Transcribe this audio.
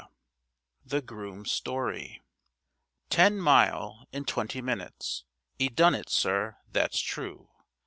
THE GROOM'S STORY Ten mile in twenty minutes! 'E done it, sir. That's true.